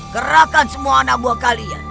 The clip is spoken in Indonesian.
kerahkan semua anak buah kalian